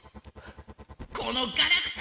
このガラクタ！